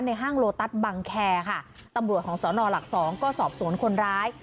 ห้างโลตัสบังแคร์ค่ะตำรวจของสนหลักสองก็สอบสวนคนร้าย